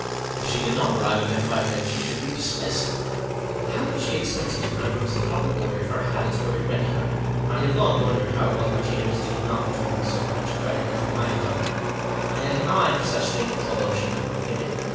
If she did not arrive within five minutes she should be dismissed. How could she expect to keep my rooms in proper order if her habits were irregular ? I had long wondered how it was my chambers did not do me so much credit as they might have done ; I had an eye for such things although she might not think it.